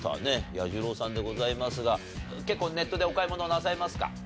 彌十郎さんでございますが結構ネットでお買い物なさいますか？